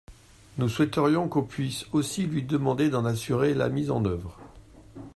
Nous souhaiterions qu’on puisse aussi lui demander d’en assurer la mise en œuvre.